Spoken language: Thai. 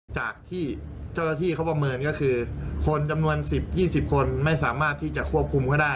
จากที่เจ้าหน้าที่เขาประเมินก็คือคนจำนวน๑๐๒๐คนไม่สามารถที่จะควบคุมก็ได้